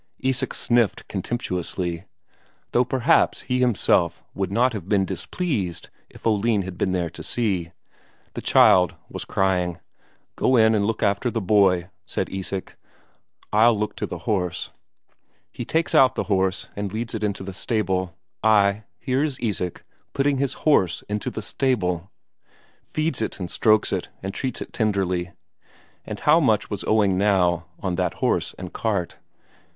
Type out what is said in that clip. Isak sniffed contemptuously. Though perhaps he himself would not have been displeased if Oline had been there to see. The child was crying. "Go in and look after the boy," said Isak. "I'll look to the horse." He takes out the horse and leads it into the stable: ay, here is Isak putting his horse into the stable. Feeds it and strokes it and treats it tenderly. And how much was owing now, on that horse and cart?